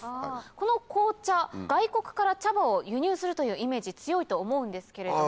この紅茶外国から茶葉を輸入するというイメージ強いと思うんですけれども。